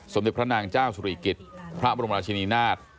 สมิพลานางเจ้าสุริกิทพระบรมราชินินาศ